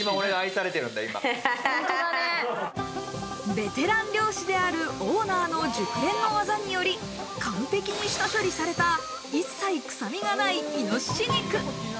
ベテラン猟師であるオーナーの熟練の技により、完璧に下処理された一切、臭みがないイノシシ肉。